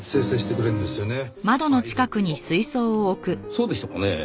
そうでしたかねぇ？